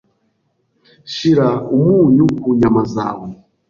Shira umunyu ku nyama zawe.